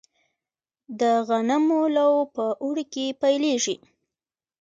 د غنمو لو په اوړي کې پیلیږي.